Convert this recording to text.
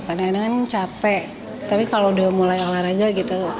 kadang kadang capek tapi kalau udah mulai olahraga gitu